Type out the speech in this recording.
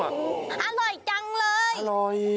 อร่อยจังเลย